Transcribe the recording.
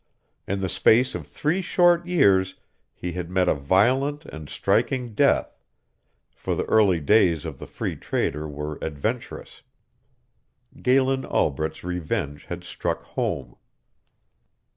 In the space of three short years he had met a violent and striking death; for the early days of the Free Trader were adventurous. Galen Albret's revenge had struck home.